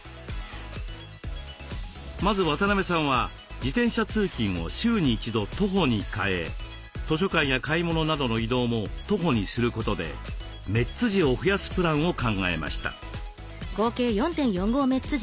まず渡邊さんは自転車通勤を週に一度徒歩に変え図書館や買い物などの移動も徒歩にすることでメッツ時を増やすプランを考えました。